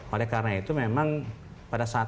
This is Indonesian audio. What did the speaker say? oleh karena itu memang pada saat